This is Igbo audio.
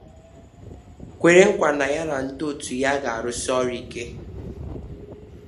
kwèrè nkwà na ya na ndị òtù ya ga-arụsi ọrụ ike